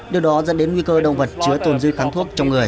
điều đó dẫn đến nguy cơ động vật chứa tồn dư kháng thuốc trong người